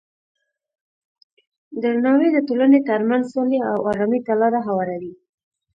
درناوی د ټولنې ترمنځ سولې او ارامۍ ته لاره هواروي.